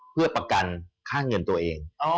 เพื่อประกันค่าเงินตัวเอง